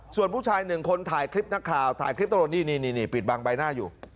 ส่วนผู้ชายหนึ่งคนถ่ายคลิปนักข่าวถ่ายคลิปตลอดนี่ปิดบังใบหน้าอยู่